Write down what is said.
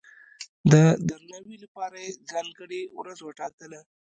د درناوي لپاره یې ځانګړې ورځ وټاکله.